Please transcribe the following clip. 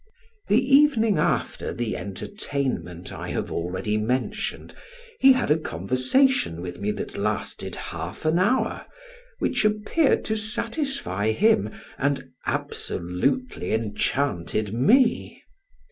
The evening after the entertainment, I have already mentioned, he had a conversation with me that lasted half an hour, which appeared to satisfy him, and absolutely enchanted me.